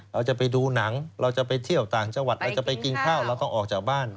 เราจะไปดูหนังเราจะไปเที่ยวต่างจังหวัดเราจะไปกินข้าวเราต้องออกจากบ้าน